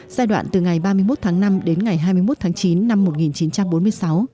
giai đoạn từ ngày ba mươi một tháng năm đến ngày hai mươi một tháng chín năm một nghìn chín trăm bốn mươi sáu